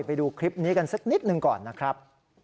ไปดูคลิปนี้กันสักนิดหนึ่งก่อนนะครับ